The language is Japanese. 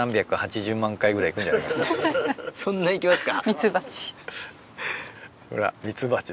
そんな行きますか？